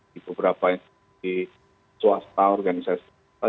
di beberapa institusi swasta organisasi sosial